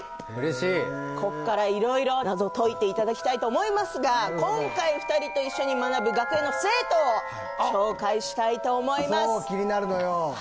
こっからいろいろ謎解いていただきたいと思いますが今回２人と一緒に学ぶ学園の生徒を紹介したいと思います。